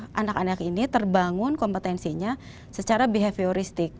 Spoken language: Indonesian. tapi membuat anak anak ini terbangun kompetensinya secara behavioristik